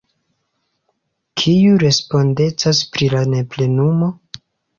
Kiu respondecas pri la neplenumo?